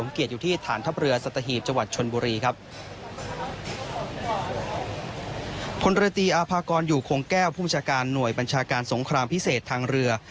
เรือตีอาภากรอยู่คงแก้วผู้บัญชาการหน่วยบัญชาการสงครามพิเศษทางเรือ